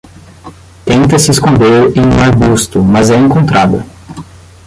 Tenta se esconder em um arbusto, mas é encontrada